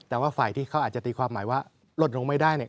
แต่ว่าฝ่ายที่เขาอาจจะตีความหมายว่าลดลงไม่ได้เนี่ย